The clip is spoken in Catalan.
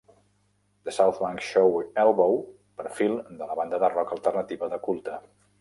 "The South Bank Show Elbow" Perfil de la banda de rock alternativa de culte